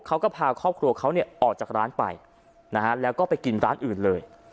เขาก็พาครอบครัวเขาเนี่ยออกจากร้านไปนะฮะแล้วก็ไปกินร้านอื่นเลย